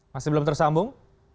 masih belum tersambung